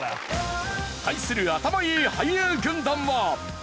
対するアタマいい俳優軍団は。